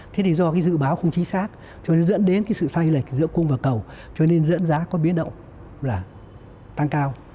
thế thì do cái dự báo không chính xác cho nên dẫn đến cái sự say lệch giữa cung và cầu cho nên dẫn giá có biến động là tăng cao